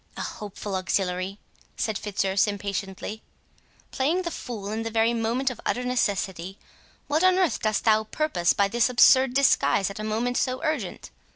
"A hopeful auxiliary," said Fitzurse impatiently; "playing the fool in the very moment of utter necessity.—What on earth dost thou purpose by this absurd disguise at a moment so urgent?"